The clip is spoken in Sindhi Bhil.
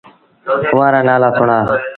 اُئآݩ رآ نآلآ سُڻآ ۔